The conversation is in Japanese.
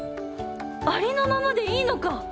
ありのままでいいのか！